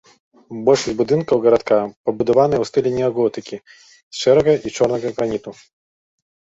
Большасць будынкаў гарадка пабудаваныя ў стылі неаготыкі з шэрага і чорнага граніту.